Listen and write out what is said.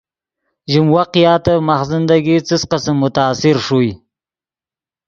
ژیم واقعاتف ماخ زندگی څس قسم متاثر ݰوئے